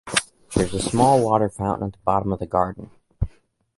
There is a small water fountain at the bottom of the garden.